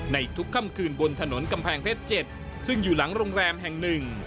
ทุกค่ำคืนบนถนนกำแพงเพชร๗ซึ่งอยู่หลังโรงแรมแห่งหนึ่ง